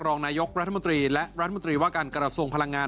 รองนายกรัฐมนตรีและรัฐมนตรีว่าการกระทรวงพลังงาน